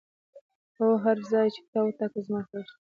هو، هر ځای چې تا وټاکه زما خوښ دی.